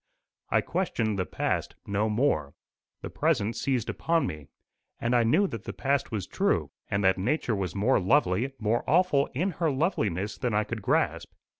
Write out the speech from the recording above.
I questioned the past no more; the present seized upon me, and I knew that the past was true, and that nature was more lovely, more awful in her loveliness than I could grasp.